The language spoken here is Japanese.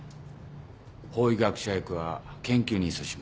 法医学者役は研究にいそしむ。